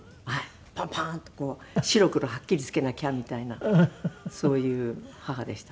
ポンポンッとこう白黒はっきりつけなきゃみたいなそういう母でしたね。